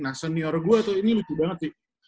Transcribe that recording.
nah senior gue tuh ini lucu banget sih